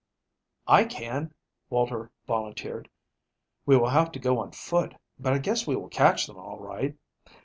"I can," Walter volunteered. "We will have to go on foot, but I guess we will catch them all right.